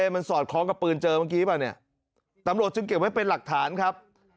มันสอดคล้องกับปืนเจอเมื่อกี้ป่ะเนี่ยตำรวจจึงเก็บไว้เป็นหลักฐานครับ